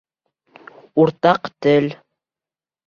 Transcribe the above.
Уртаҡ тел